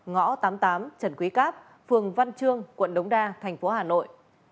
ngõ tám mươi tám trần quý cáp phường văn trương quận đống đa tp hà nội